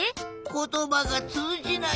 ことばがつうじない。